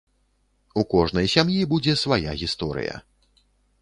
У кожнай сям'і будзе свая гісторыя.